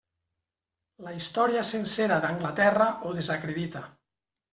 La història sencera d'Anglaterra ho desacredita.